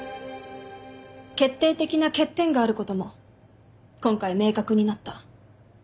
決定的な欠点があることも今回明確になった。